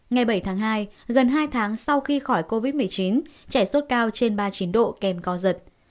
ngày bảy tháng hai gần hai tháng sau khi khỏi covid một mươi chín trẻ sốt cao trên ba mươi chín độ kèm co giật